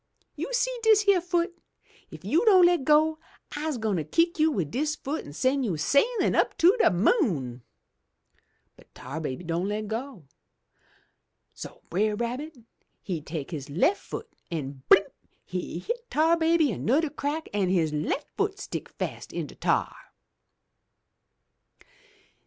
You see dis yere foot? If you don' le' go, I'se gwine kick you wid dis foot an' sen' you sailin' up to de moon!' But Tar baby don' le' go! So Brer Rabbit he take his left foot an' blimp! he hit Tar Baby anudder crack, an' his left foot stick fast in de tar!